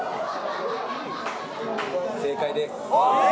正解です。